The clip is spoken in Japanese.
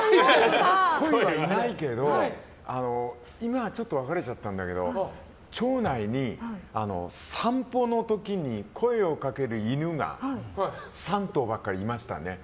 鯉はいないけど、今はちょっと別れちゃったんだけど町内に散歩の時に声をかける犬が３頭いましたね。